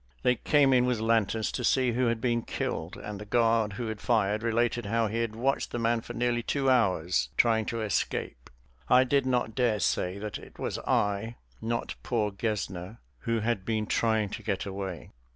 They came in with lanterns to see who had been killed, and the guard who had fired related how he had watched the man for nearly two hours trying to escape. I did not dare say that it was I, not poor Gesner, who had been trying to get away.